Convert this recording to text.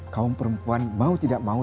kaum perempuan mau tidak mau